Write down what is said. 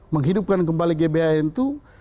menghidupkan kembali gbhn itu